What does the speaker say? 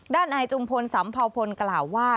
ด้านในจุงพลสำพาวพลกล่าวว่า